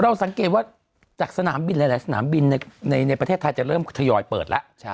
สังเกตว่าจากสนามบินหลายสนามบินในประเทศไทยจะเริ่มทยอยเปิดแล้ว